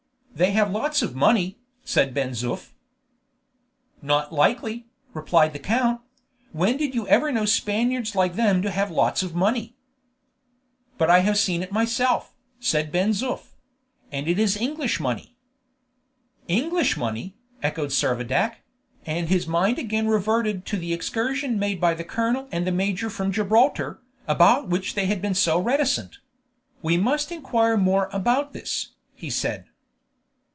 "They have lots of money," said Ben Zoof. "Not likely," replied the count; "when did you ever know Spaniards like them to have lots of money?" "But I have seen it myself," said Ben Zoof; "and it is English money." "English money!" echoed Servadac; and his mind again reverted to the excursion made by the colonel and the major from Gibraltar, about which they had been so reticent. "We must inquire more about this," he said.